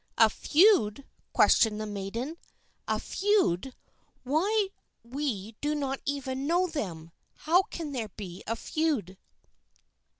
"A feud?" questioned the maiden. "A feud? Why, we do not even know them! How can there be a feud?"